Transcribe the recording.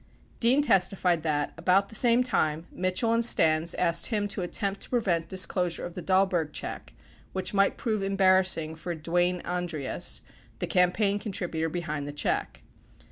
20 Dean testified that, about the same time, Mitchell and Stans asked him to attempt to prevent disclosure of the Dahlberg check, which might prove embarrassing for Dwayne Andreas, the campaign con tributor behind the check.